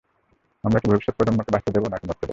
আমরা কি ভবিষ্যৎ প্রজন্মকে বাঁচতে দেব নাকি মরতে দেব?